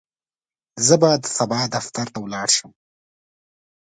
زه به سبا دفتر ته ولاړ شم.